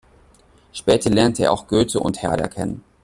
Später lernte er auch Goethe und Herder kennen.